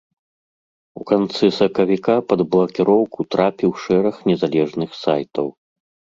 У канцы сакавіка пад блакіроўку трапіў шэраг незалежных сайтаў.